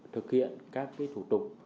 thực hiện các thủ tục